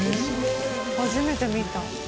初めて見た。